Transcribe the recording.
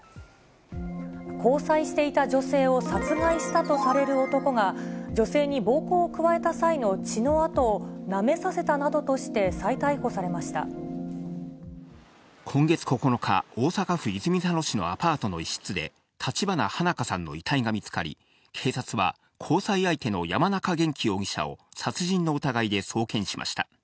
交際していた女性を殺害したとされる男が、女性に暴行を加えた際の血の跡をなめさせたなどとして再逮捕され今月９日、大阪府泉佐野市のアパートの一室で、立花花華さんの遺体が見つかり、警察は交際相手の山中元稀容疑者を殺人の疑いで送検しました。